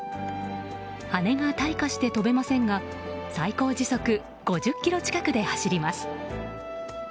羽が退化して飛べませんが最高時速５０キロ近くで走ります。